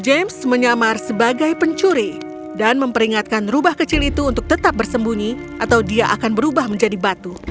james menyamar sebagai pencuri dan memperingatkan rubah kecil itu untuk tetap bersembunyi atau dia akan berubah menjadi batu